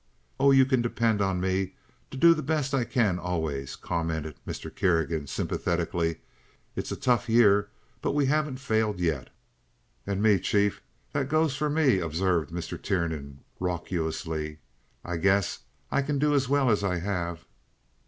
"Oh, you can depend on me to do the best I can always," commented Mr. Kerrigan, sympathetically. "It's a tough year, but we haven't failed yet." "And me, Chief! That goes for me," observed Mr. Tiernan, raucously. "I guess I can do as well as I have."